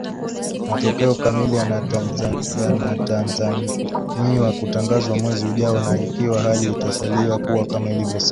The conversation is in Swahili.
matokeo kamili yanatanzamiwa kutangazwa mwezi ujao na ikiwa hali itasalia kuwa kama ilivyo sasa